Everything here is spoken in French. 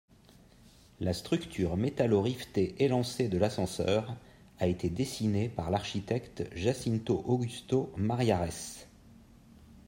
La structure métallo-rivetée élancée de l'ascenseur a été dessinée par l'architecte Jacinto Augusto Mariares.